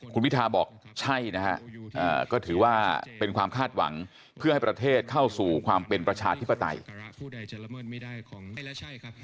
คุณพิทาบอกใช่นะฮะก็ถือว่าเป็นความคาดหวังเพื่อให้ประเทศเข้าสู่ความเป็นประชาธิปไตย